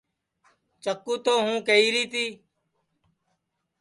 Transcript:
چکُو تو ہوں کیہری تی